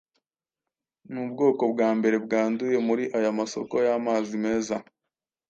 nubwoko bwambere bwanduye muri aya masoko y'amazi meza.